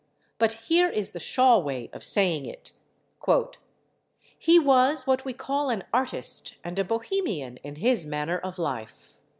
But here is the Shaw way of saying it: "He was ... what we call an artist and a Bohemian in His manner of life."